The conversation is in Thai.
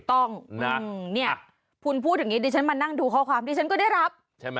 ถูกต้องพูดอย่างนี้ดิฉันมานั่งดูข้อความดิฉันก็ได้รับ